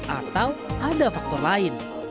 atau ada faktor lain